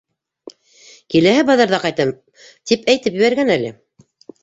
Киләһе баҙарҙа ҡайтам тип әйтеп ебәргән әле.